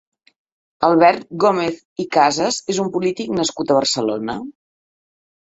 Albert Gómez i Casas és un polític nascut a Barcelona.